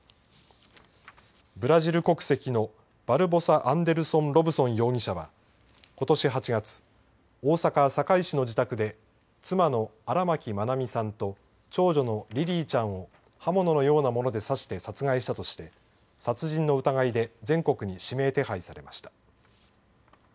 ブラジル国籍のバルボサ・アンデルソン・ロブソン容疑者はことし８月大阪・堺市の自宅で妻の荒牧愛美さんと長女のリリィちゃんを刃物のようなもので刺して殺害したとして殺人の疑いで全国に指名手配されました。